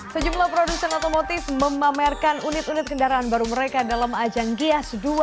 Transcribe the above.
sejumlah produsen otomotif memamerkan unit unit kendaraan baru mereka dalam ajang gias dua ribu dua puluh